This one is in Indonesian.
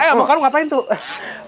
eh al mukarram katain tuh